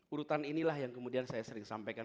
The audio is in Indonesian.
urutan inilah yang kemudian saya sering sampaikan